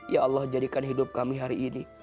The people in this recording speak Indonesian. ya allah jadikan hidup kami hari ini